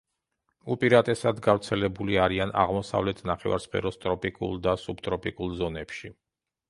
უპირატესად გავრცელებული არიან აღმოსავლეთ ნახევარსფეროს ტროპიკულ და სუბტროპიკულ ზონებში.